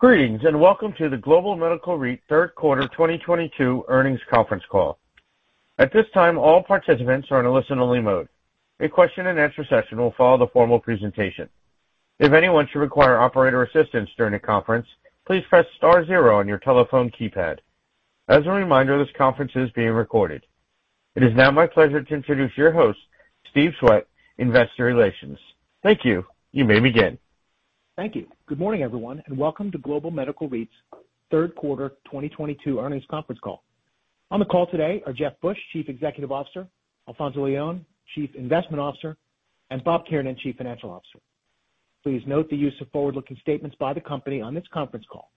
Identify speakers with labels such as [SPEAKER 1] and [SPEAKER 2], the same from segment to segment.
[SPEAKER 1] Greetings, and welcome to the Global Medical REIT Third Quarter 2022 Earnings Conference Call. At this time, all participants are in a listen-only mode. A question-and-answer session will follow the formal presentation. If anyone should require operator assistance during the conference, please press star zero on your telephone keypad. As a reminder, this conference is being recorded. It is now my pleasure to introduce your host, Stephen Swett, Investor Relations. Thank you. You may begin.
[SPEAKER 2] Thank you. Good morning, everyone, and welcome to Global Medical REIT's Third Quarter 2022 Earnings Conference Call. On the call today are Jeff Busch, Chief Executive Officer, Alfonso Leon, Chief Investment Officer, and Bob Kiernan, Chief Financial Officer. Please note the use of forward-looking statements by the company on this conference call.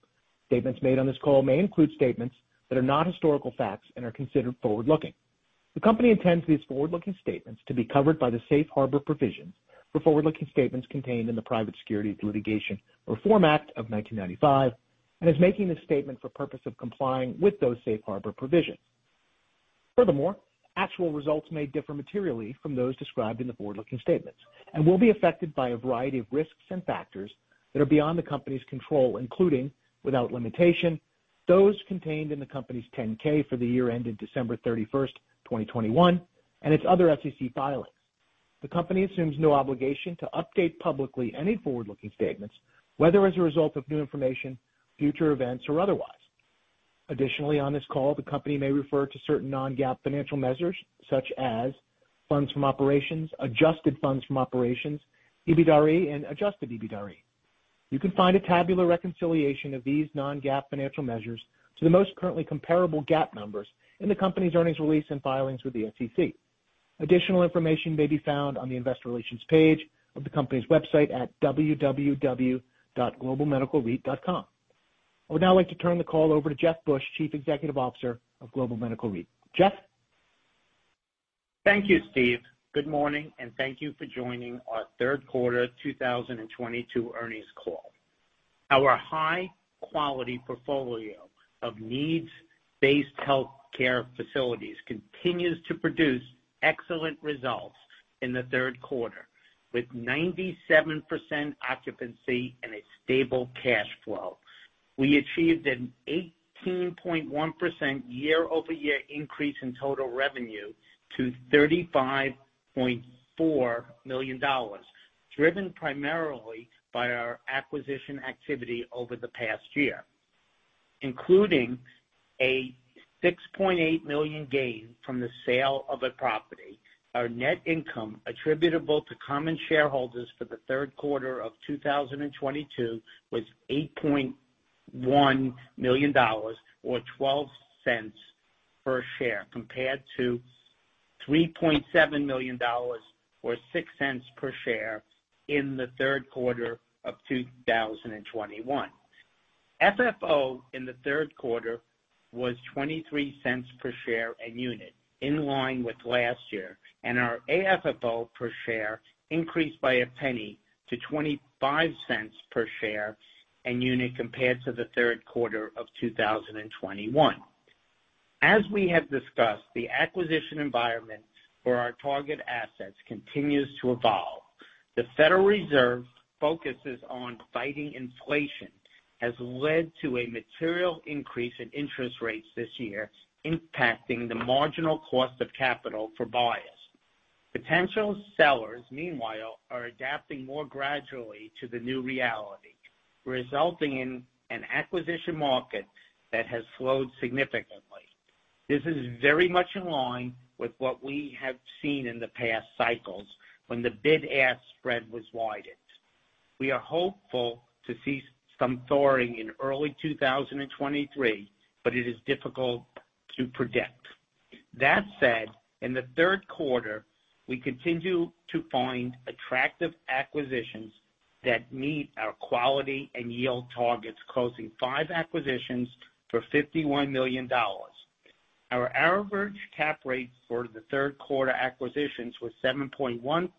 [SPEAKER 2] Statements made on this call may include statements that are not historical facts and are considered forward-looking. The company intends these forward-looking statements to be covered by the safe harbor provisions for forward-looking statements contained in the Private Securities Litigation Reform Act of 1995 and is making this statement for purpose of complying with those safe harbor provisions. Furthermore, actual results may differ materially from those described in the forward-looking statements and will be affected by a variety of risks and factors that are beyond the company's control, including, without limitation, those contained in the company's 10-K for the year ended December 31, 2021, and its other SEC filings. The company assumes no obligation to update publicly any forward-looking statements, whether as a result of new information, future events, or otherwise. Additionally, on this call, the company may refer to certain non-GAAP financial measures, such as funds from operations, adjusted funds from operations, EBITDAre, and Adjusted EBITDAre. You can find a tabular reconciliation of these non-GAAP financial measures to the most directly comparable GAAP numbers in the company's earnings release and filings with the SEC. Additional information may be found on the Investor Relations page of the company's website at www.globalmedicalreit.com. I would now like to turn the call over to Jeff Busch, Chief Executive Officer of Global Medical REIT. Jeff?
[SPEAKER 3] Thank you, Steve. Good morning, and thank you for joining our Third Quarter 2022 Earnings Call. Our high-quality portfolio of needs-based healthcare facilities continues to produce excellent results in the third quarter, with 97% occupancy and a stable cash flow. We achieved an 18.1% year-over-year increase in total revenue to $35.4 million, driven primarily by our acquisition activity over the past year. Including a $6.8 million gain from the sale of a property, our net income attributable to common shareholders for the third quarter of 2022 was $8.1 million or $0.12 per share, compared to $3.7 million or $0.06 per share in the third quarter of 2021. FFO in the third quarter was $0.23 per share and unit, in line with last year, and our AFFO per share increased by a penny to $0.25 per share and unit compared to the third quarter of 2021. As we have discussed, the acquisition environment for our target assets continues to evolve. The Federal Reserve's focus on fighting inflation has led to a material increase in interest rates this year, impacting the marginal cost of capital for buyers. Potential sellers, meanwhile, are adapting more gradually to the new reality, resulting in an acquisition market that has slowed significantly. This is very much in line with what we have seen in the past cycles when the bid-ask spread was widened. We are hopeful to see some thawing in early 2023, but it is difficult to predict. That said, in the third quarter, we continue to find attractive acquisitions that meet our quality and yield targets, closing 5 acquisitions for $51 million. Our average cap rate for the third quarter acquisitions was 7.1%,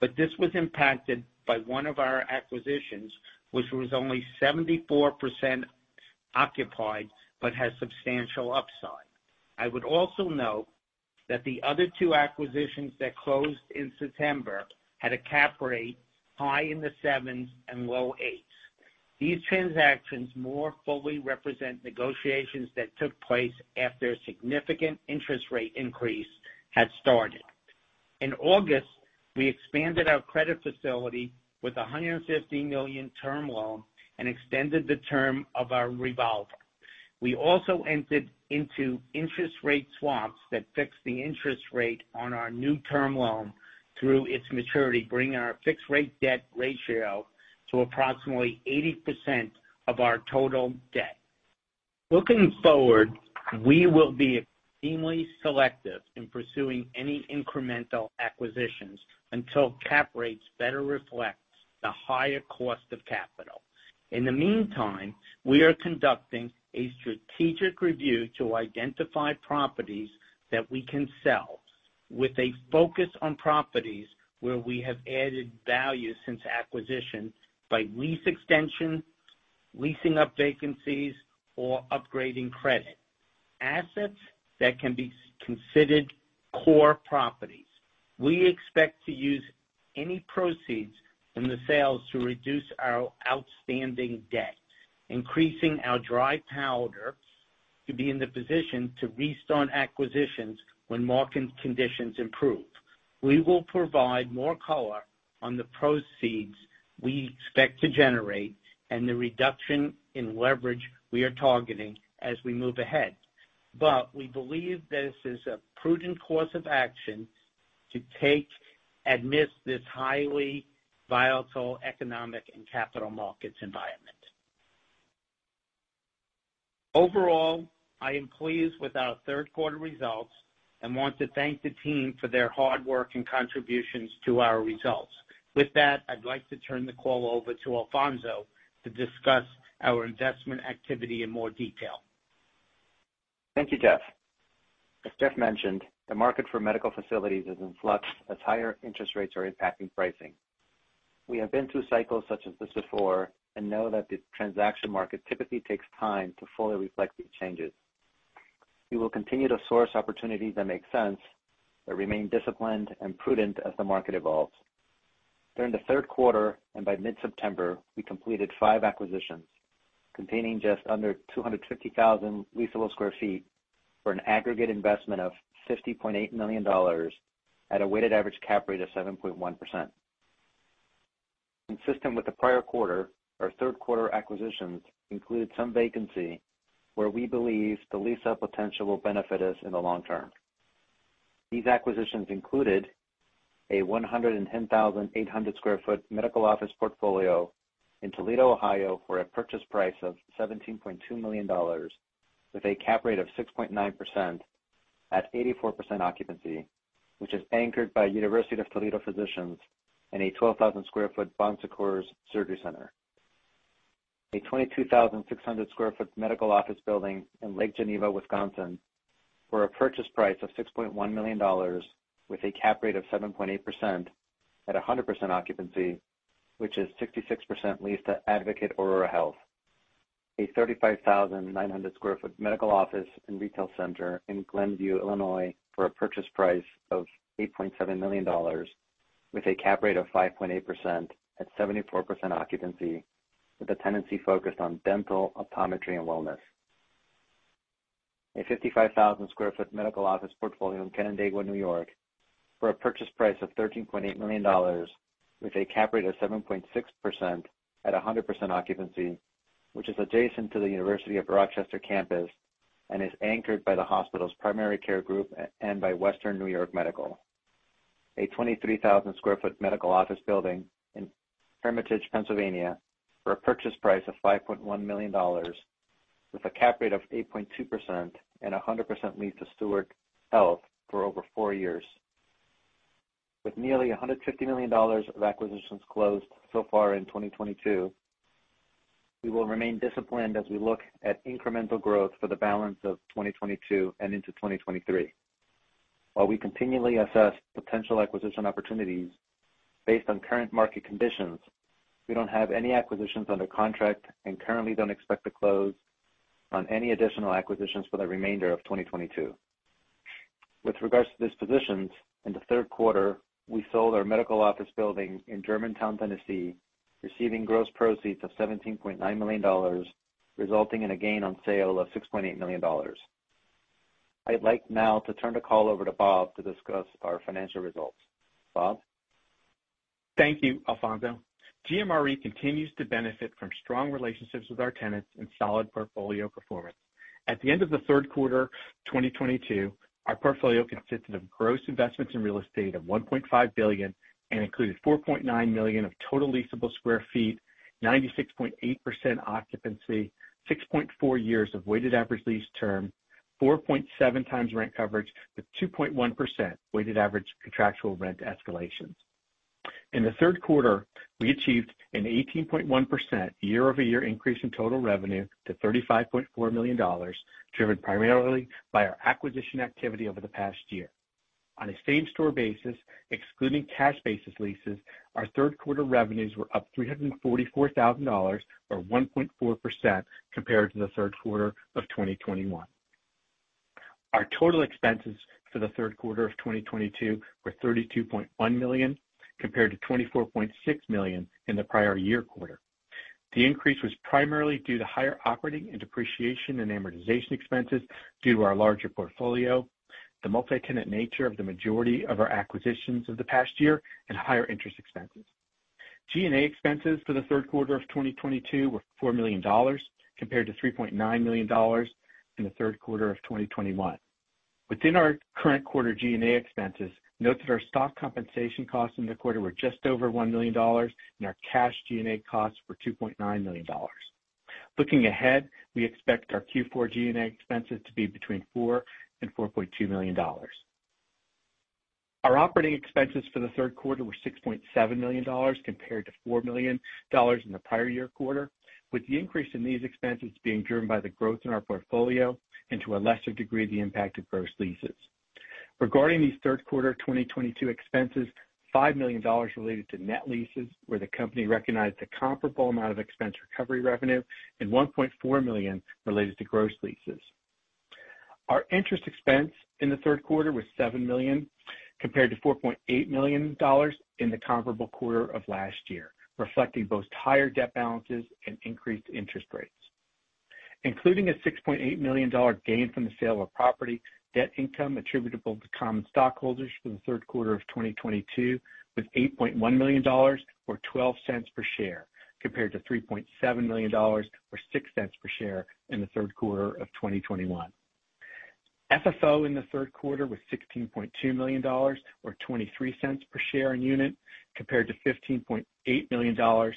[SPEAKER 3] but this was impacted by one of our acquisitions, which was only 74% occupied but has substantial upside. I would also note that the other two acquisitions that closed in September had a cap rate high in the 7s and low 8s. These transactions more fully represent negotiations that took place after a significant interest rate increase had started. In August, we expanded our credit facility with a $150 million term loan and extended the term of our revolver. We also entered into interest rate swaps that fixed the interest rate on our new term loan through its maturity, bringing our fixed rate debt ratio to approximately 80% of our total debt. Looking forward, we will be extremely selective in pursuing any incremental acquisitions until cap rates better reflect the higher cost of capital. In the meantime, we are conducting a strategic review to identify properties that we can sell with a focus on properties where we have added value since acquisition by lease extension, leasing up vacancies, or upgrading credit. Assets that can be considered core properties. We expect to use any proceeds from the sales to reduce our outstanding debt, increasing our dry powder to be in the position to restart acquisitions when market conditions improve. We will provide more color on the proceeds we expect to generate and the reduction in leverage we are targeting as we move ahead. We believe this is a prudent course of action to take amidst this highly volatile economic and capital markets environment. Overall, I am pleased with our third quarter results and want to thank the team for their hard work and contributions to our results. With that, I'd like to turn the call over to Alfonso to discuss our investment activity in more detail.
[SPEAKER 4] Thank you, Jeff. As Jeff mentioned, the market for medical facilities is in flux as higher interest rates are impacting pricing. We have been through cycles such as this before and know that the transaction market typically takes time to fully reflect these changes. We will continue to source opportunities that make sense, but remain disciplined and prudent as the market evolves. During the third quarter, and by mid-September, we completed 5 acquisitions containing just under 250,000 leasable sq ft for an aggregate investment of $50.8 million at a weighted average cap rate of 7.1%. Consistent with the prior quarter, our third quarter acquisitions included some vacancy where we believe the lease up potential will benefit us in the long term. These acquisitions included a 110,800 sq ft medical office portfolio in Toledo, Ohio, for a purchase price of $17.2 million with a cap rate of 6.9% at 84% occupancy, which is anchored by University of Toledo Physicians and a 12,000 sq ft Bon Secours Surgery Center. A 22,600 sq ft medical office building in Lake Geneva, Wisconsin, for a purchase price of $6.1 million with a cap rate of 7.8% at 100% occupancy, which is 66% leased to Advocate Aurora Health. A 35,900 sq ft medical office and retail center in Glenview, Illinois, for a purchase price of $8.7 million with a cap rate of 5.8% at 74% occupancy, with the tenancy focused on dental, optometry and wellness. A 55,000 sq ft medical office portfolio in Canandaigua, New York, for a purchase price of $13.8 million with a cap rate of 7.6% at 100% occupancy, which is adjacent to the University of Rochester campus and is anchored by the hospital's primary care group and by Western New York Urology Associates. A 23,000 sq ft medical office building in Hermitage, Pennsylvania, for a purchase price of $5.1 million with a cap rate of 8.2% and 100% leased to Steward Health Care for over four years. With nearly $150 million of acquisitions closed so far in 2022, we will remain disciplined as we look at incremental growth for the balance of 2022 and into 2023. While we continually assess potential acquisition opportunities based on current market conditions, we don't have any acquisitions under contract and currently don't expect to close on any additional acquisitions for the remainder of 2022. With regards to dispositions, in the third quarter, we sold our medical office building in Germantown, Tennessee, receiving gross proceeds of $17.9 million, resulting in a gain on sale of $6.8 million. I'd like now to turn the call over to Bob to discuss our financial results. Bob?
[SPEAKER 5] Thank you, Alfonso. GMRE continues to benefit from strong relationships with our tenants and solid portfolio performance. At the end of the third quarter 2022, our portfolio consisted of gross investments in real estate of $1.5 billion and included 4.9 million sq ft of total leasable square feet, 96.8% occupancy, 6.4 years of weighted average lease term, 4.7x rent coverage with 2.1% weighted average contractual rent escalations. In the third quarter, we achieved an 18.1% year-over-year increase in total revenue to $35.4 million, driven primarily by our acquisition activity over the past year. On a same-store basis, excluding cash basis leases, our third quarter revenues were up $344,000, or 1.4% compared to the third quarter of 2021. Our total expenses for the third quarter of 2022 were $32.1 million, compared to $24.6 million in the prior year quarter. The increase was primarily due to higher operating and depreciation and amortization expenses due to our larger portfolio, the multi-tenant nature of the majority of our acquisitions of the past year, and higher interest expenses. G&A expenses for the third quarter of 2022 were $4 million, compared to $3.9 million in the third quarter of 2021. Within our current quarter G&A expenses, note that our stock compensation costs in the quarter were just over $1 million, and our cash G&A costs were $2.9 million. Looking ahead, we expect our Q4 G&A expenses to be between $4 million and $4.2 million. Our operating expenses for the third quarter were $6.7 million compared to $4 million in the prior year quarter, with the increase in these expenses being driven by the growth in our portfolio and, to a lesser degree, the impact of gross leases. Regarding these third quarter 2022 expenses, $5 million related to net leases, where the company recognized a comparable amount of expense recovery revenue and $1.4 million related to gross leases. Our interest expense in the third quarter was $7 million, compared to $4.8 million in the comparable quarter of last year, reflecting both higher debt balances and increased interest rates. Including a $6.8 million gain from the sale of property, net income attributable to common stockholders for the third quarter of 2022 was $8.1 million or $0.12 per share, compared to $3.7 million or $0.06 per share in the third quarter of 2021. FFO in the third quarter was $16.2 million or $0.23 per share/unit, compared to $15.8 million or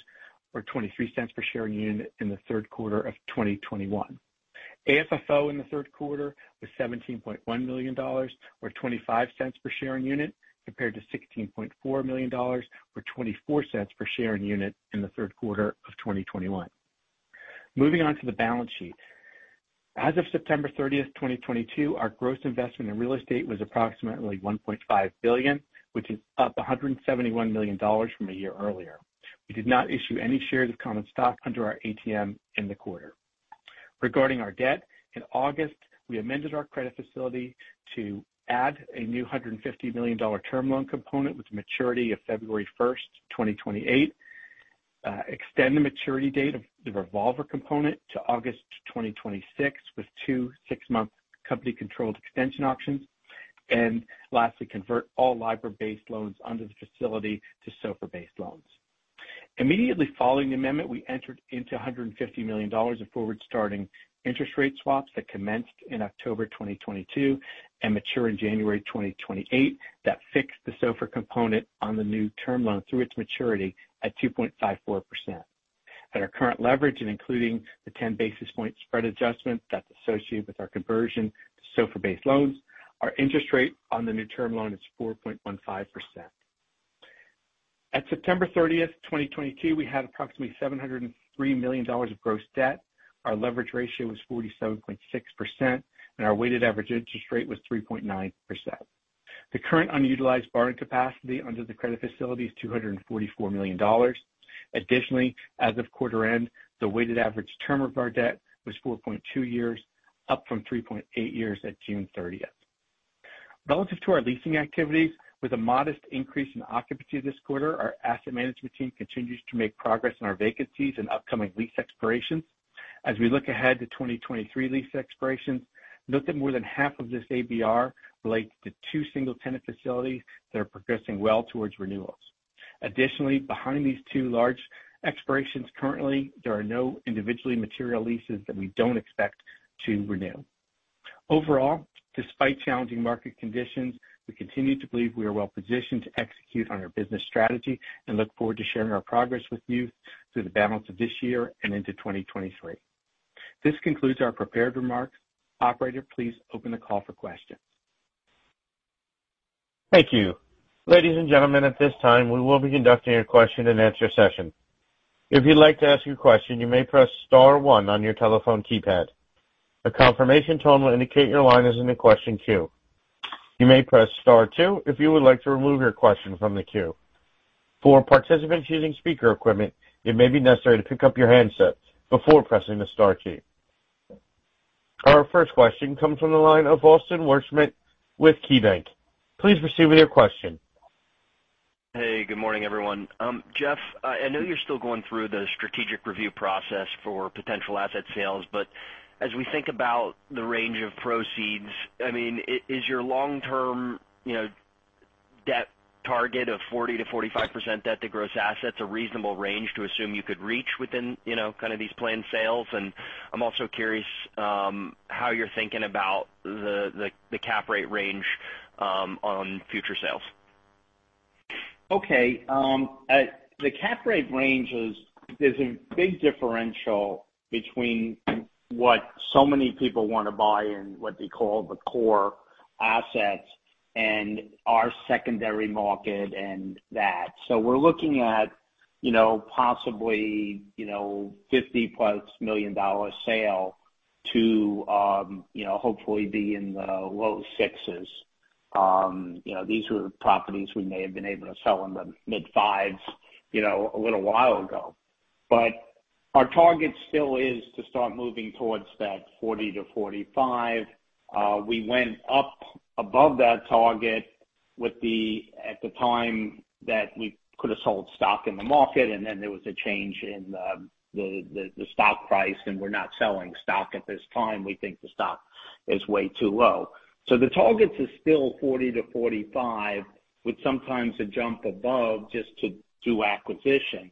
[SPEAKER 5] $0.23 per share/unit in the third quarter of 2021. AFFO in the third quarter was $17.1 million or $0.25 per share/unit, compared to $16.4 million or $0.24 per share/unit in the third quarter of 2021. Moving on to the balance sheet. As of September 30, 2022, our gross investment in real estate was approximately $1.5 billion, which is up $171 million from a year earlier. We did not issue any shares of common stock under our ATM in the quarter. Regarding our debt, in August, we amended our credit facility to add a new $150 million term loan component with maturity of February 1, 2028, extend the maturity date of the revolver component to August 2026, with two 6-month company-controlled extension options. Lastly, convert all LIBOR-based loans under the facility to SOFR-based loans. Immediately following the amendment, we entered into $150 million of forward-starting interest rate swaps that commenced in October 2022 and mature in January 2028 that fixed the SOFR component on the new term loan through its maturity at 2.54%. At our current leverage and including the 10 basis point spread adjustment that's associated with our conversion to SOFR-based loans, our interest rate on the new term loan is 4.15%. At September 30, 2022, we had approximately $703 million of gross debt. Our leverage ratio was 47.6%, and our weighted average interest rate was 3.9%. The current unutilized borrowing capacity under the credit facility is $244 million. Additionally, as of quarter end, the weighted average term of our debt was 4.2 years, up from 3.8 years at June 30th. Relative to our leasing activities, with a modest increase in occupancy this quarter, our asset management team continues to make progress in our vacancies and upcoming lease expirations. As we look ahead to 2023 lease expirations, note that more than half of this ABR relates to two single-tenant facilities that are progressing well towards renewals. Additionally, behind these two large expirations, currently, there are no individually material leases that we don't expect to renew. Overall, despite challenging market conditions, we continue to believe we are well positioned to execute on our business strategy and look forward to sharing our progress with you through the balance of this year and into 2023. This concludes our prepared remarks. Operator, please open the call for questions.
[SPEAKER 1] Thank you. Ladies and gentlemen, at this time, we will be conducting your question-and-answer session. If you'd like to ask a question, you may press star one on your telephone keypad. A confirmation tone will indicate your line is in the question queue. You may press star two if you would like to remove your question from the queue. For participants using speaker equipment, it may be necessary to pick up your handset before pressing the star key. Our first question comes from the line of Austin Wurschmidt with KeyBanc. Please proceed with your question.
[SPEAKER 6] Hey, good morning, everyone. Jeff, I know you're still going through the strategic review process for potential asset sales, but as we think about the range of proceeds, I mean, is your long-term, you know, debt target of 40%-45% debt to gross assets a reasonable range to assume you could reach within, you know, kind of these planned sales? I'm also curious how you're thinking about the cap rate range on future sales.
[SPEAKER 3] Okay. The cap rate range is, there's a big differential between what so many people wanna buy and what they call the core assets and our secondary market and that. We're looking at, you know, possibly, you know, $50+ million sale to, you know, hopefully be in the low 6s. These are the properties we may have been able to sell in the mid 5s, you know, a little while ago. Our target still is to start moving towards that 40-45. We went up above that target at the time that we could have sold stock in the market, and then there was a change in the stock price, and we're not selling stock at this time. We think the stock is way too low. The target is still 40-45, with sometimes a jump above just to do acquisitions.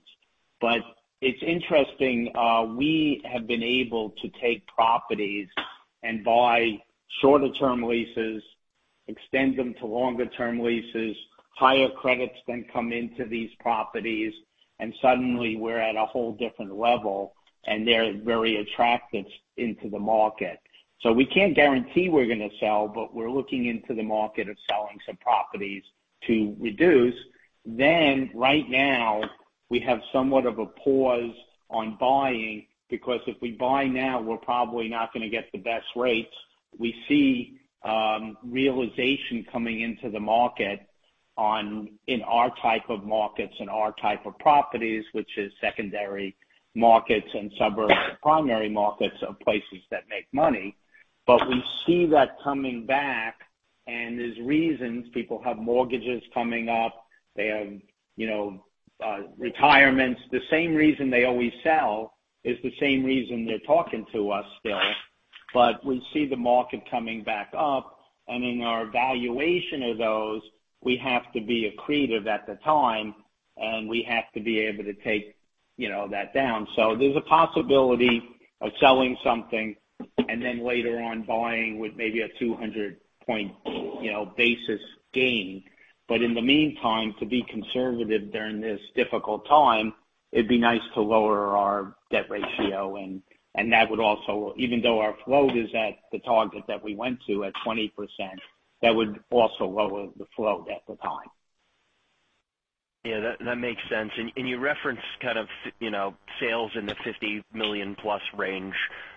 [SPEAKER 3] It's interesting, we have been able to take properties and buy shorter term leases, extend them to longer term leases, higher credits then come into these properties, and suddenly we're at a whole different level, and they're very attractive into the market. We can't guarantee we're gonna sell, but we're looking into the market of selling some properties to reduce. Right now We have somewhat of a pause on buying because if we buy now, we're probably not gonna get the best rates. We see realization coming into the market in our type of markets and our type of properties, which is secondary markets and suburban primary markets are places that make money. We see that coming back, and there's reasons, people have mortgages coming up. They have, you know, retirements. The same reason they always sell is the same reason they're talking to us still. We see the market coming back up, and in our valuation of those, we have to be accretive at the time, and we have to be able to take, you know, that down. There's a possibility of selling something and then later on buying with maybe a 200-point, you know, basis gain.In the meantime, to be conservative during this difficult time, it'd be nice to lower our debt ratio and that would also, even though our float is at the target that we went to at 20%, that would also lower the float at the time.
[SPEAKER 6] Yeah, that makes sense. You referenced sales in the $50 million plus range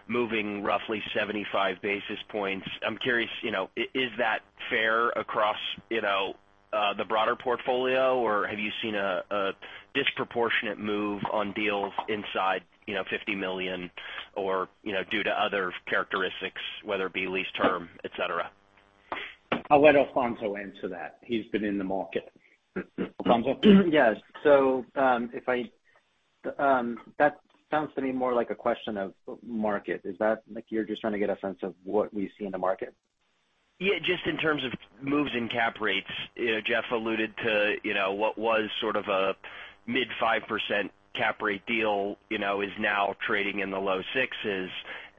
[SPEAKER 6] moving roughly 75 basis points. I'm curious, you know, is that fair across the broader portfolio, or have you seen a disproportionate move on deals inside $50 million or due to other characteristics, whether it be lease term, et cetera?
[SPEAKER 3] I'll let Alfonso answer that. He's been in the market. Alfonso?
[SPEAKER 4] Yes. That sounds to me more like a question of market. Is that like you're just trying to get a sense of what we see in the market?
[SPEAKER 6] Yeah, just in terms of moves in cap rates. You know, Jeff alluded to, you know, what was sort of a mid-5% cap rate deal, you know, is now trading in the low 6%s.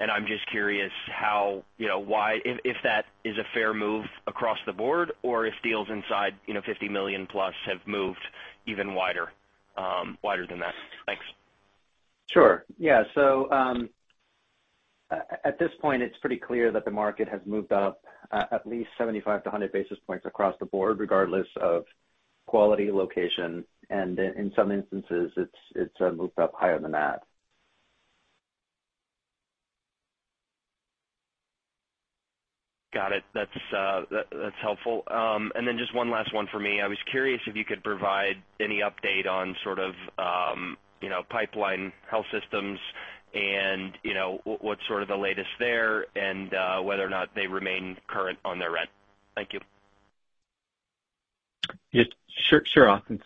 [SPEAKER 6] I'm just curious why if that is a fair move across the board or if deals in size, you know, $50 million plus have moved even wider than that. Thanks.
[SPEAKER 4] Sure. Yeah. At this point, it's pretty clear that the market has moved up at least 75-100 basis points across the board, regardless of quality, location, and in some instances, it's moved up higher than that.
[SPEAKER 6] Got it. That's helpful. Just one last one for me. I was curious if you could provide any update on sort of, you know, Pipeline Health and, you know, what's sort of the latest there and whether or not they remain current on their rent. Thank you.
[SPEAKER 4] Yes. Sure, sure, Austin.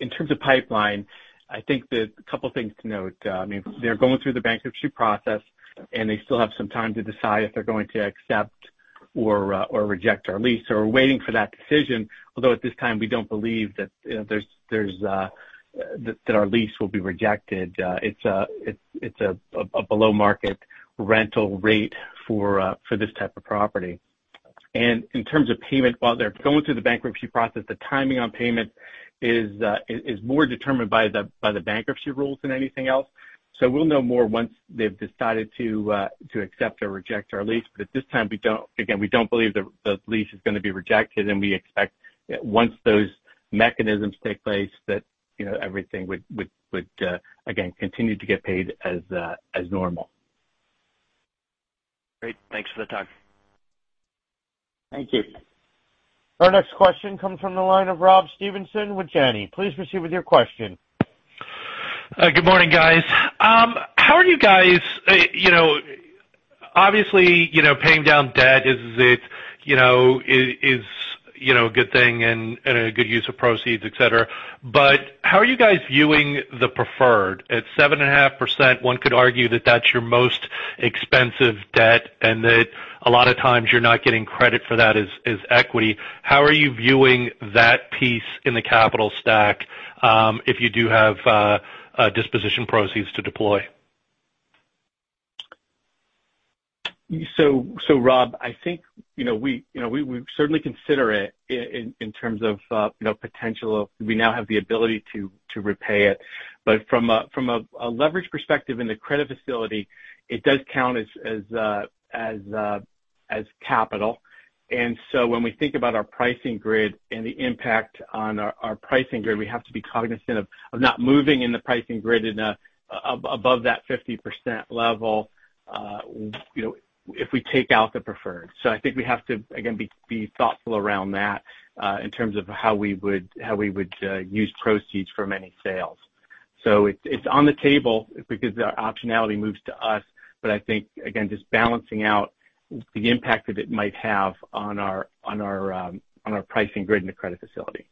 [SPEAKER 4] In terms of Pipeline, I think that a couple of things to note. I mean, they're going through the bankruptcy process, and they still have some time to decide if they're going to accept or reject our lease, so we're waiting for that decision. Although, at this time, we don't believe that, you know, our lease will be rejected. It's a below-market rental rate for this type of property. In terms of payment, while they're going through the bankruptcy process, the timing on payment is more determined by the bankruptcy rules than anything else. We'll know more once they've decided to accept or reject our lease.
[SPEAKER 5] At this time, again, we don't believe the lease is gonna be rejected, and we expect once those mechanisms take place, that, you know, everything would again, continue to get paid as normal.
[SPEAKER 6] Great. Thanks for the time.
[SPEAKER 3] Thank you.
[SPEAKER 1] Our next question comes from the line of Rob Stevenson with Janney. Please proceed with your question.
[SPEAKER 7] Good morning, guys. You know, obviously, you know, paying down debt is, you know, a good thing and a good use of proceeds, et cetera. How are you guys viewing the preferred? At 7.5%, one could argue that that's your most expensive debt and that a lot of times you're not getting credit for that as equity. How are you viewing that piece in the capital stack, if you do have disposition proceeds to deploy?
[SPEAKER 5] Rob, I think we certainly consider it in terms of potential of we now have the ability to repay it. From a leverage perspective in the credit facility, it does count as capital. When we think about our pricing grid and the impact on our pricing grid, we have to be cognizant of not moving in the pricing grid above that 50% level if we take out the preferred. I think we have to again be thoughtful around that in terms of how we would use proceeds from any sales. It's on the table because the optionality moves to us. I think, again, just balancing out the impact that it might have on our pricing grid and the credit facility.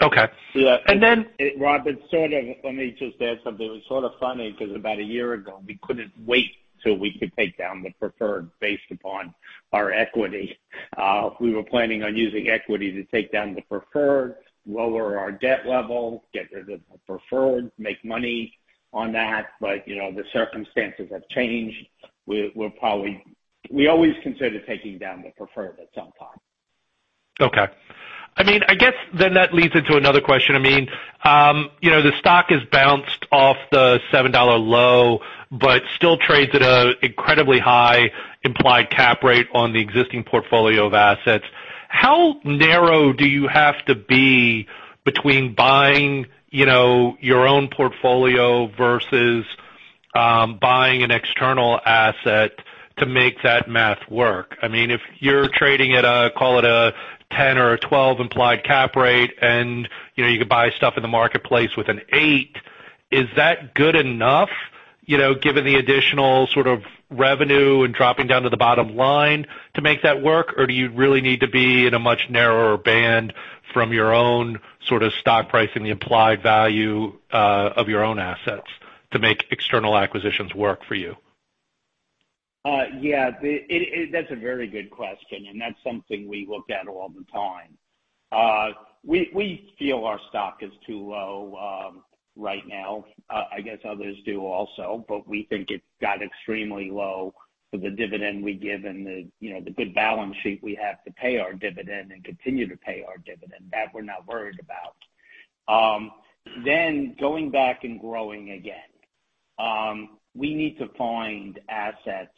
[SPEAKER 7] Okay.
[SPEAKER 3] Yeah.
[SPEAKER 7] And then-
[SPEAKER 3] Rob, let me just add something. It was sort of funny because about a year ago, we couldn't wait till we could take down the preferred based upon our equity. We were planning on using equity to take down the preferred, lower our debt level, get rid of the preferred, make money on that. You know, the circumstances have changed. We always consider taking down the preferred at some time.
[SPEAKER 7] Okay. I mean, I guess then that leads into another question. I mean, you know, the stock has bounced off the $7 low, but still trades at an incredibly high implied cap rate on the existing portfolio of assets. How narrow do you have to be between buying, you know, your own portfolio versus buying an external asset to make that math work? I mean, if you're trading at a, call it a 10 or a 12 implied cap rate, and, you know, you could buy stuff in the marketplace with an 8, is that good enough, you know, given the additional sort of revenue and dropping down to the bottom line to make that work? Do you really need to be in a much narrower band from your own sort of stock price and the implied value of your own assets to make external acquisitions work for you?
[SPEAKER 3] That's a very good question, and that's something we look at all the time. We feel our stock is too low right now. I guess others do also, but we think it's got extremely low for the dividend we give and the, you know, the good balance sheet we have to pay our dividend and continue to pay our dividend. That we're not worried about. Going back and growing again. We need to find assets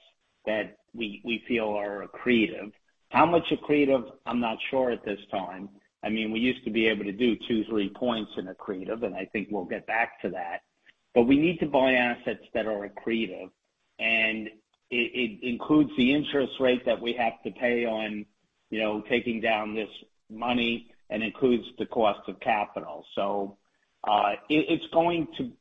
[SPEAKER 3] that we feel are accretive. How much accretive? I'm not sure at this time. I mean, we used to be able to do 2-3 points in accretive, and I think we'll get back to that. We need to buy assets that are accretive, and it includes the interest rate that we have to pay on, you know, taking down this money and includes the cost of capital. It's going to.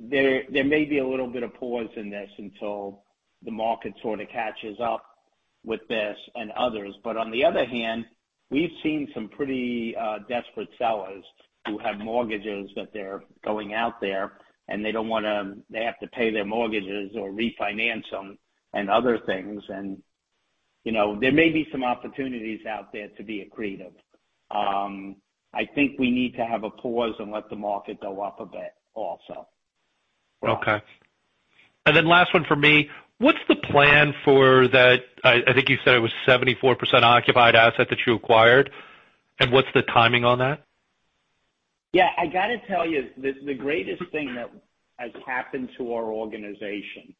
[SPEAKER 3] There may be a little bit of pause in this until the market sort of catches up with this and others. On the other hand, we've seen some pretty desperate sellers who have mortgages that they're going out there, and they don't wanna. They have to pay their mortgages or refinance them and other things. You know, there may be some opportunities out there to be accretive. I think we need to have a pause and let the market go up a bit also.
[SPEAKER 7] Okay. Last one for me. What's the plan for that, I think you said it was 74% occupied asset that you acquired, and what's the timing on that?
[SPEAKER 3] Yeah, I gotta tell you, the greatest thing that has happened to our organization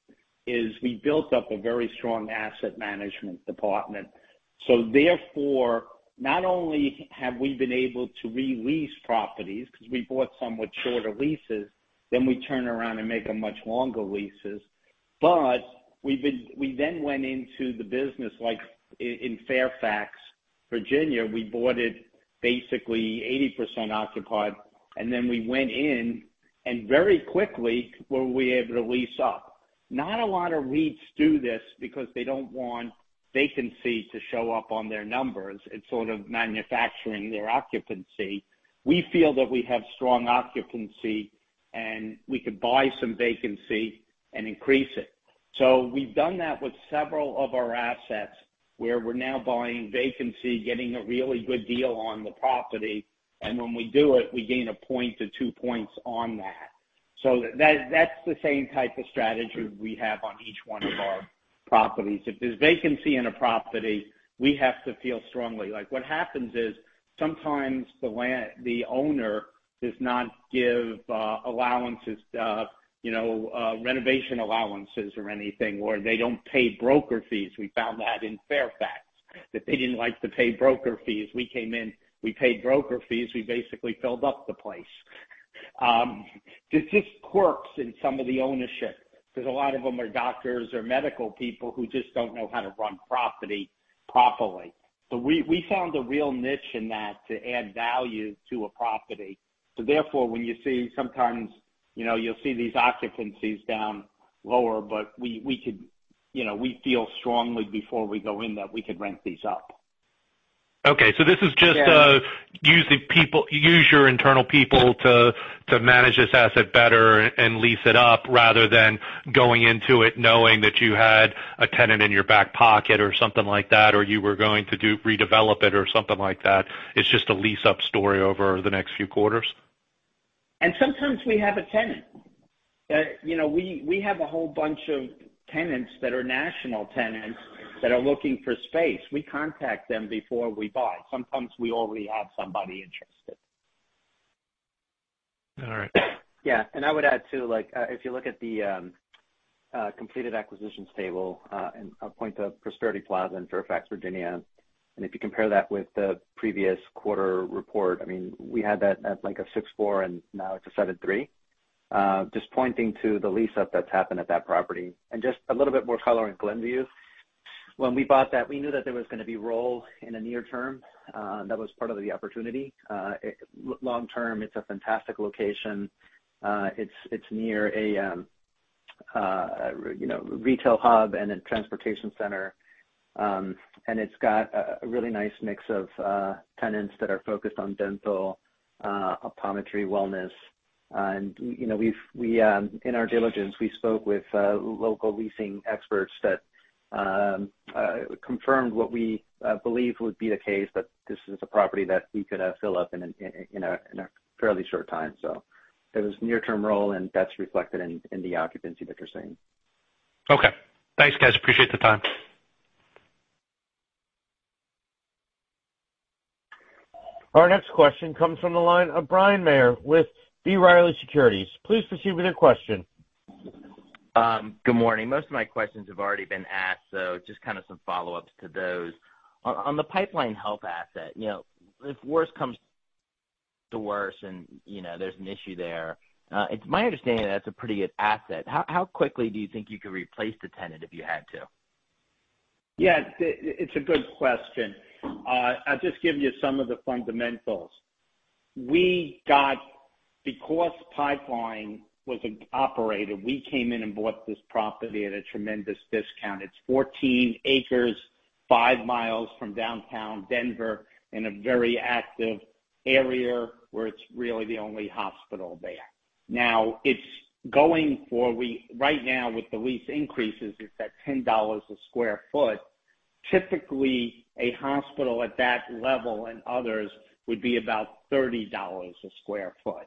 [SPEAKER 3] is we built up a very strong asset management department. Therefore, not only have we been able to re-lease properties, because we bought some with shorter leases, then we turn around and make them much longer leases. We then went into the business, like in Fairfax, Virginia, we bought it basically 80% occupied, and then we went in and very quickly were we able to lease up. Not a lot of REITs do this because they don't want vacancy to show up on their numbers. It's sort of manufacturing their occupancy. We feel that we have strong occupancy, and we can buy some vacancy and increase it. We've done that with several of our assets, where we're now buying vacancy, getting a really good deal on the property, and when we do it, we gain 1 to 2 points on that. That's the same type of strategy we have on each one of our properties. If there's vacancy in a property, we have to feel strongly. Like, what happens is sometimes the owner does not give allowances, you know, renovation allowances or anything, or they don't pay broker fees. We found that in Fairfax, that they didn't like to pay broker fees. We came in, we paid broker fees, we basically filled up the place. There's just quirks in some of the ownership because a lot of them are doctors or medical people who just don't know how to run property properly. We found a real niche in that to add value to a property. Therefore, when you see sometimes, you know, you'll see these occupancies down lower, but we could. You know, we feel strongly before we go in that we could rent these up.
[SPEAKER 7] Okay. This is just using your internal people to manage this asset better and lease it up rather than going into it knowing that you had a tenant in your back pocket or something like that, or you were going to redevelop it or something like that. It's just a lease-up story over the next few quarters.
[SPEAKER 3] Sometimes we have a tenant. You know, we have a whole bunch of tenants that are national tenants that are looking for space. We contact them before we buy. Sometimes we already have somebody interested.
[SPEAKER 7] All right.
[SPEAKER 4] Yeah. I would add too, like, if you look at the completed acquisitions table, and I'll point to Prosperity Plaza in Fairfax, Virginia, and if you compare that with the previous quarter report, I mean, we had that at like a 6.4%, and now it's a 7.3%. Just pointing to the lease-up that's happened at that property. Just a little bit more color on Glenview. When we bought that, we knew that there was gonna be roll in the near term. That was part of the opportunity. Long term, it's a fantastic location. It's near a, you know, retail hub and a transportation center. It's got a really nice mix of tenants that are focused on dental, optometry, wellness. You know, in our diligence, we spoke with local leasing experts that confirmed what we believe would be the case, that this is a property that we could fill up in a fairly short time. There was near-term roll, and that's reflected in the occupancy that you're seeing.
[SPEAKER 7] Okay. Thanks, guys. Appreciate the time.
[SPEAKER 1] Our next question comes from the line of Bryan Maher with B. Riley Securities. Please proceed with your question.
[SPEAKER 8] Good morning. Most of my questions have already been asked, just kind of some follow-ups to those. On the Pipeline Health asset, you know, if worse comes to worse and, you know, there's an issue there, it's my understanding that that's a pretty good asset. How quickly do you think you could replace the tenant if you had to?
[SPEAKER 3] Yeah, it's a good question. I'll just give you some of the fundamentals. Because Pipeline Health was an operator, we came in and bought this property at a tremendous discount. It's 14 acres, 5 miles from downtown Denver in a very active area where it's really the only hospital there. Right now, with the lease increases, it's at $10 a sq ft. Typically, a hospital at that level and others would be about $30 a sq ft.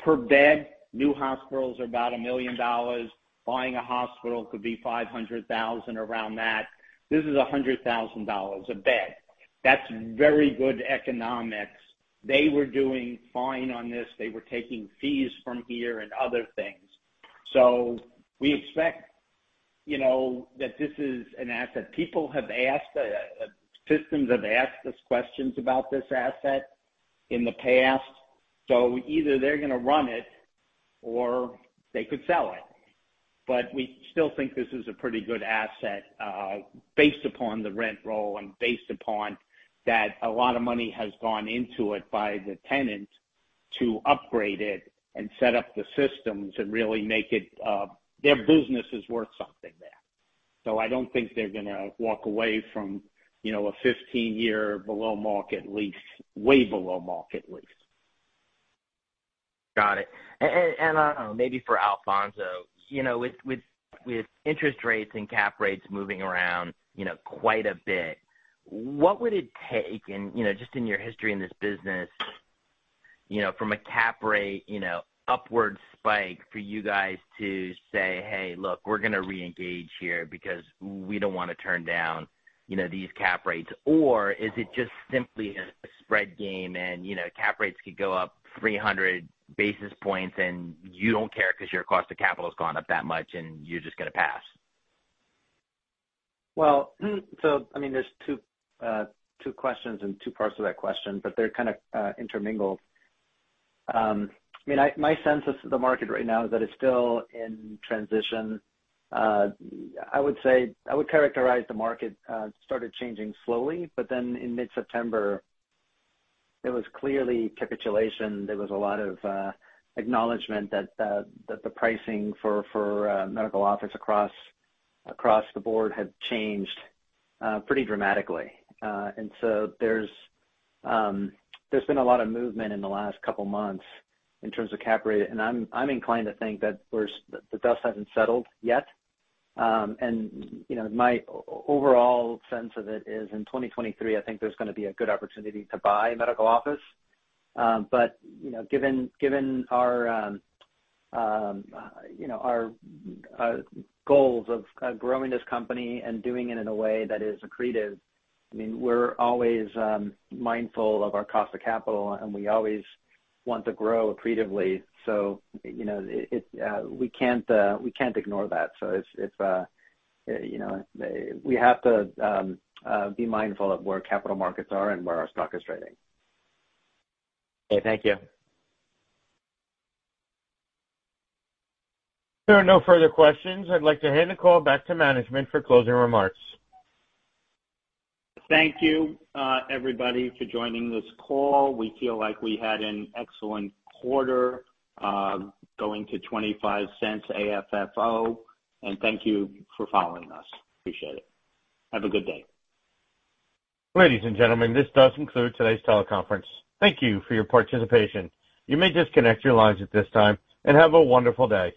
[SPEAKER 3] Per bed, new hospitals are about $1 million. Buying a hospital could be $500,000, around that. This is $100,000 a bed. That's very good economics. They were doing fine on this. They were taking fees from here and other things. We expect, you know, that this is an asset. People have asked, systems have asked us questions about this asset in the past, so either they're gonna run it or they could sell it. We still think this is a pretty good asset, based upon the rent roll and based upon that a lot of money has gone into it by the tenant to upgrade it and set up the systems and really make it. Their business is worth something there. I don't think they're gonna walk away from, you know, a 15-year below market lease, way below market lease.
[SPEAKER 8] Got it. Maybe for Alfonso. You know, with interest rates and cap rates moving around, you know, quite a bit, what would it take and, you know, just in your history in this business, you know, from a cap rate, you know, upward spike for you guys to say, "Hey, look, we're gonna re-engage here because we don't wanna turn down, you know, these cap rates"? Or is it just simply a spread game and, you know, cap rates could go up 300 basis points and you don't care because your cost of capital has gone up that much and you're just gonna pass?
[SPEAKER 4] Well, I mean, there's two questions and two parts to that question, but they're kind of intermingled. I mean, my sense of the market right now is that it's still in transition. I would characterize the market started changing slowly, but then in mid-September, there was clearly capitulation. There was a lot of acknowledgement that the pricing for medical office across the board had changed pretty dramatically. And so there's been a lot of movement in the last couple of months in terms of cap rate. I'm inclined to think the dust hasn't settled yet. You know, my overall sense of it is in 2023, I think there's gonna be a good opportunity to buy medical office. You know, given our goals of growing this company and doing it in a way that is accretive, I mean, we're always mindful of our cost of capital, and we always want to grow accretively. You know, we can't ignore that. You know, we have to be mindful of where capital markets are and where our stock is trading.
[SPEAKER 8] Okay. Thank you.
[SPEAKER 1] There are no further questions. I'd like to hand the call back to management for closing remarks.
[SPEAKER 3] Thank you, everybody, for joining this call. We feel like we had an excellent quarter, going to $0.25 AFFO. Thank you for following us. Appreciate it. Have a good day.
[SPEAKER 1] Ladies and gentlemen, this does conclude today's teleconference. Thank you for your participation. You may disconnect your lines at this time, and have a wonderful day.